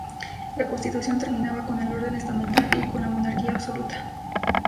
La Constitución terminaba con el orden estamental y con la Monarquía absoluta.